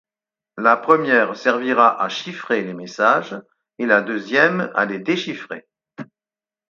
La première servira à chiffrer les messages et la deuxième à les déchiffrer.